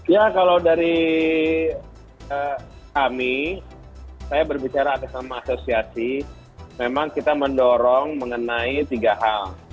ya kalau dari kami saya berbicara atas nama asosiasi memang kita mendorong mengenai tiga hal